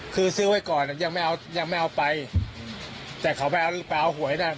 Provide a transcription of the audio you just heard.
คือซื้อไว้ก่อนยังไม่เอายังไม่เอาไปแต่เขาไปเอาไปเอาหวยน่ะ